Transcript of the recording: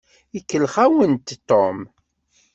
Ikellex-awent Tom.